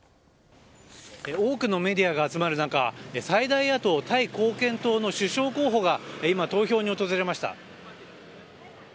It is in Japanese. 多くのメディアが集まる中最大野党、タイ貢献党の首相候補が今投票に訪れました。